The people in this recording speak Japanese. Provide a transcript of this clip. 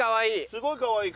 すごいかわいい！